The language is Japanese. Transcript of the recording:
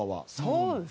そうですね